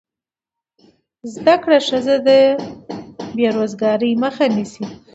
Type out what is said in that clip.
زده کړه ښځه د بېروزګارۍ مخه نیسي.